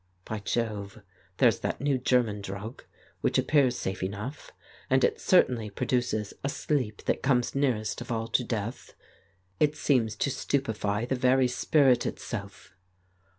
... By Jove, there's that new German drug, which appears safe enough, and it certainly produces a sleep that comes 164 The Case of Frank Hampden nearest of all to death ; it seems to stupefy the very spirit itself.